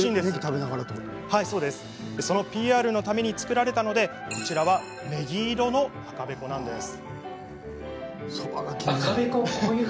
そのＰＲのために作られたのでこちらはねぎ色の赤べこなのです。